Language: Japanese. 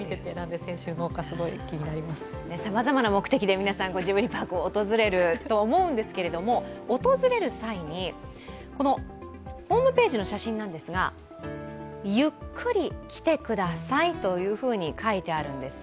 さまざまな目的で皆さん、ジブリパークを訪れると思うんですけど、訪れる際に、ホームページの写真なんですが「ゆっくりきて下さい」と書いてあるんです。